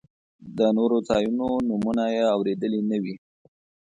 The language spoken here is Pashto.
د نورو ځایونو نومونه یې اورېدلي نه وي.